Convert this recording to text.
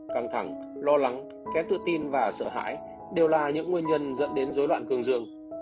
căng thẳng lo lắng kém tự tin và sợ hãi đều là những nguyên nhân dẫn đến dối loạn cương dương